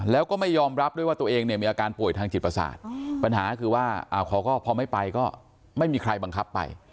แล้วก็ไม่ยอมรับด้วยว่าตัวเองเนี่ยมีอาการป่วยทางจิตประสาทปัญหาคือว่าเขาก็พอไม่ไปก็ไม่มีใครบังคับไป